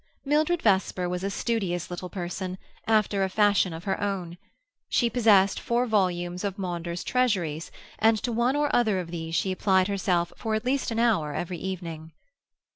Mildred Vesper was a studious little person, after a fashion of her own. She possessed four volumes of Maunder's "Treasuries," and to one or other of these she applied herself for at least an hour every evening.